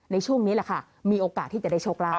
ในช่วงนี้แหละค่ะมีโอกาสที่จะได้โชคลาภ